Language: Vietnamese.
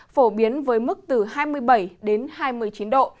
phổ biến với mức từ hai mươi bảy đến hai mươi chín độ